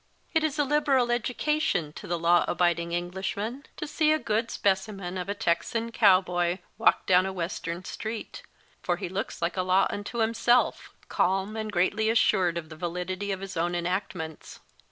It is a liberal educa tion to the law abiding Englishman to see a good specimen of a Texan cowboy walk down a Western street ; for he looks like a law unto himself, calm and. greatly assured of the validity of his own enactments.